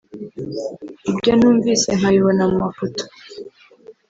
ibyo ntumvise nkabibona mu mafoto